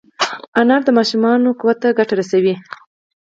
انار د ماشومانو قوت ته ګټه رسوي.